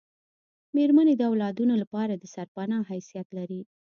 میرمنې د اولادونو لپاره دسرپنا حیثیت لري